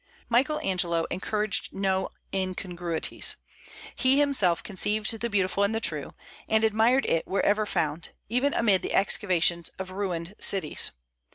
Michael Angelo encouraged no incongruities; he himself conceived the beautiful and the true, and admired it wherever found, even amid the excavations of ruined cities.